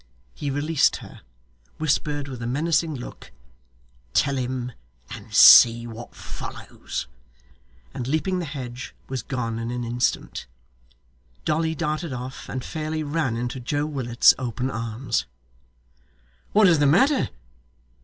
He released her, whispered with a menacing look, 'Tell HIM: and see what follows!' and leaping the hedge, was gone in an instant. Dolly darted off, and fairly ran into Joe Willet's open arms. 'What is the matter?